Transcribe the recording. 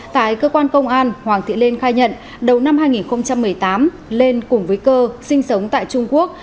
tại cơ quan công an hoàng thị lên khai nhận đầu năm hai nghìn một mươi tám lên cùng với cơ sinh sống tại trung quốc